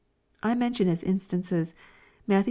I mention as instances, Matt xi.